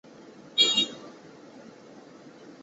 他的想法路人都能知道了。